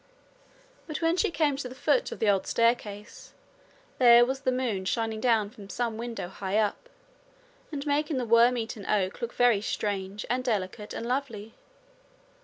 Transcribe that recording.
But when she came to the foot of the old staircase there was the moon shining down from some window high up, and making the worm eaten oak look very strange and delicate and lovely.